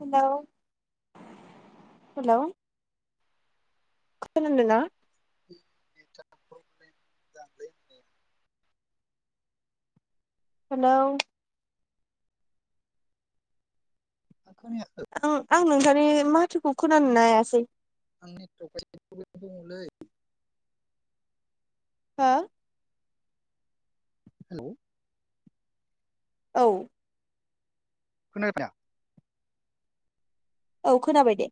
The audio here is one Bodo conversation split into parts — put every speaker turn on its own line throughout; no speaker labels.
Hello hello. खोनादोंना।
[inaudible]
हेलौ।
खोनायाखै
आं नोंथांनि माथोखौ खोना [inaudible]
[inaudible]
हो।
हेलौ।
औ।
खोनबारदा।
औ खोनाबाय दे।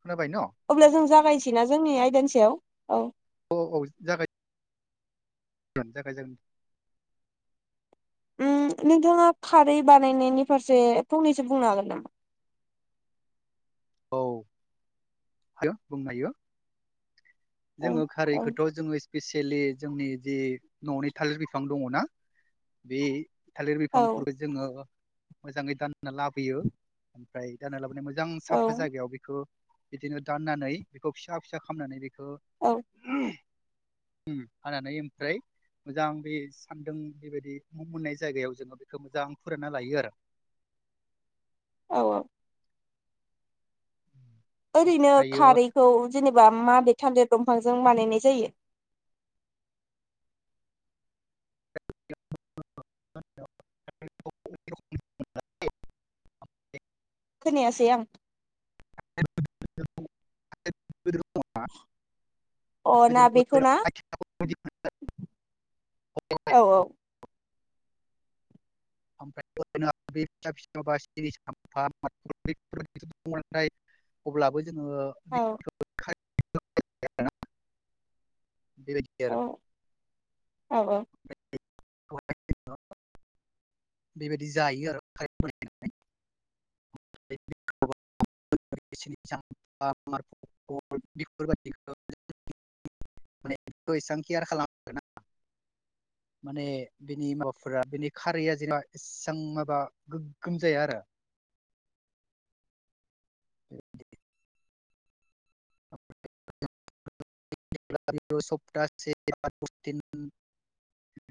खोनाबाय न'
अब्ला जों जागाय सिना जोंनि आयदानि सायाव औ।
औ औ जागाय। [unintelligible]
ओम नोंथाङा खारै बानायनायनि फारसे फंनैसो बुंनो हागोन नामा?
औ हायो बुंनो हायो
औ
जोङो
औ
खारैखौथ' जोङो। स्पेसियेलि जोंनि जि न'नि थालिर बिफां दङ ना बे थालिर
औ
बिफांफोरखौ जोङो। मोजाङै दानना लाबोयो ओमफ्राय दानना लाबोना मोजां जां
औ
साफा बेखौ बिदिनो दाननानै बेखौ फिसा फिसा खालामनानै बेखौ
औ।
हानानै ओमफ्राय मोजां बे सान्दुं बेबायदि नांनाय जायगायाव जोङो बेखौ मोजां फोरानना लायो आरो।
औ औ। ओरैनो
ओमफ्रायो
खारैखौ जेनेबा माबे थालिर दंफांजों बानायनाय जायो
[unintelligible]
खोनायासै आं
[unintelligible]
अ ना बेखौ ना औ औ
[unintelligible] जोङो [unintelligible]
औ
[unintelligible] बेबायदि
औ
आरो
औ औ
[unintelligible] बेबायदि जायो आरो [unintelligible] [unintelligible] एसां केयार खालामा आरोना माने बिनि माबाफोरा बेनि खारैया जेनेबा एसां माने गोग्गोम जाया आरो [unintelligible] [unintelligible]